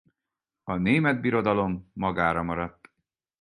A Német Birodalom magára maradt.